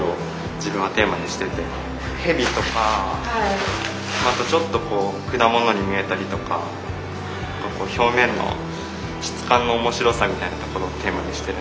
ヘビとかあとちょっとこう果物に見えたりとか何かこう表面の質感の面白さみたいなところをテーマにしてるんで。